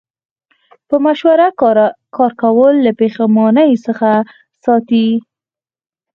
په مشوره کار کول له پښیمانۍ څخه ساتي.